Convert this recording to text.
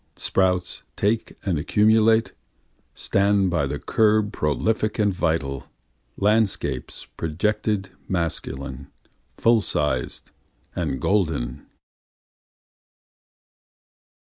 Sprouts take and accumulate, stand by the curb prolific and vital, Landscapes projected masculine, full sized and golden.